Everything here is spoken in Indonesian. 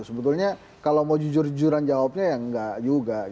sebetulnya kalau mau jujur jujuran jawabnya ya enggak juga